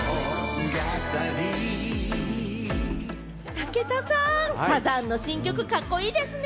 武田さん、サザンの新曲、カッコいいですね。